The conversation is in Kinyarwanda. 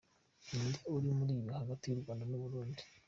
Ninde ari mubi hagati y’Urwanda n’Uburundi?